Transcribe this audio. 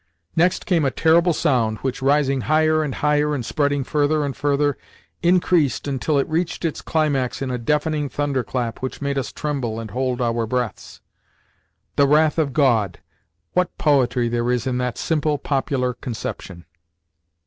Next came a terrible sound which, rising higher and higher, and spreading further and further, increased until it reached its climax in a deafening thunderclap which made us tremble and hold our breaths. "The wrath of God"—what poetry there is in that simple popular conception!